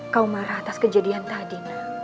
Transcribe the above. kau marah atas kejadian tadi